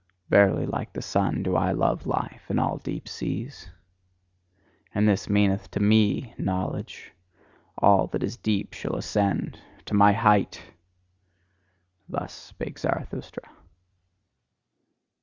Verily, like the sun do I love life, and all deep seas. And this meaneth TO ME knowledge: all that is deep shall ascend to my height! Thus spake Zarathustra.